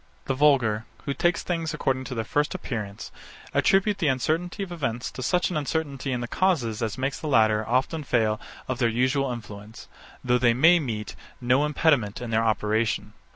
The vulgar, who take things according to their first appearance, attribute the uncertainty of events to such an uncertainty in the causes as makes the latter often fail of their usual influence; though they meet with no impediment in their operation.